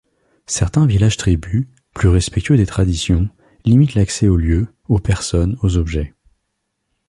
Certains villages-tribus, plus respectueux des traditions, limitent l'accès aux lieux, aux personnes, aux objets.